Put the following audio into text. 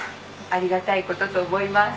ありがたい事と思います。